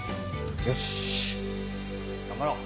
よし頑張ろう！